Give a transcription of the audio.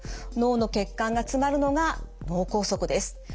脳の血管が詰まるのが脳梗塞です。